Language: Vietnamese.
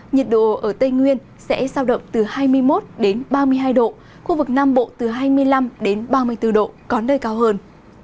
nhiệt độ ở tây nguyên sẽ sao động từ hai mươi một ba mươi hai độ khu vực nam bộ từ hai mươi năm ba mươi bốn độ có nơi cao hơn